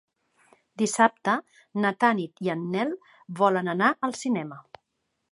Dissabte na Tanit i en Nel volen anar al cinema.